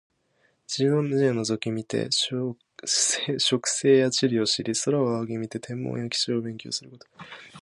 地面を覗き見て植生や地理を知り、空を仰ぎ見て天文や気象を勉強すること。